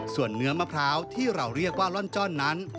ส่วนเนื้อมะพร้าวที่เราเรียกว่าล่อนจ้อนนั้น